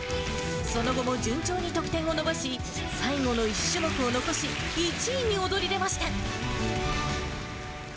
その後も順調に得点を伸ばし、最後の１種目を残し１位に躍り出ました。